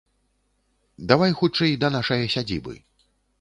Давай хутчэй да нашае сядзібы.